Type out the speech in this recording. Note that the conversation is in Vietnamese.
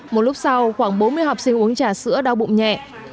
một lúc sau khoảng bốn mươi học sinh uống trà sữa đau bụng nhẹ